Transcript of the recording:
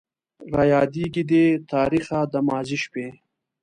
رايادېږي دې تاريخه د ماضي شپې